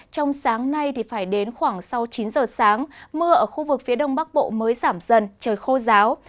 trong sáng nay phải đến khoảng sau chín giờ sáng mưa ở khu vực phía đông bắc bộ mới giảm dần trời khô giáo